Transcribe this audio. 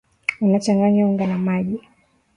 Unachanganya unga na maji.